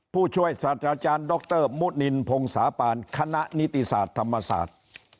ผู้ช่วยศาสตราจารย์ดรมุนินพงศาปานคณะนิติศาสตร์ธรรมศาสตร์